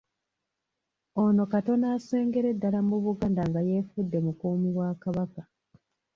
Ono katono asengere ddala mu Buganda nga yeefudde mukuumi wa Kabaka.